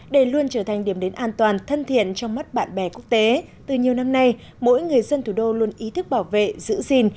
để luôn trở thành điểm đến an toàn thân thiện trong mắt bạn bè quốc tế từ nhiều năm nay mỗi người dân thủ đô luôn ý thức bảo vệ giữ gìn